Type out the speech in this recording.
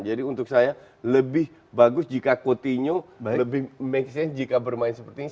jadi untuk saya lebih bagus jika coutinho lebih make sense jika bermain seperti ini